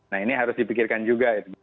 nah ini harus dipikirkan juga